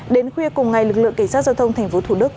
đến khuya cùng ngày lực lượng kỳ sát giao thông thành phố thủ đức